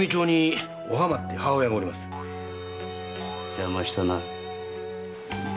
邪魔したな。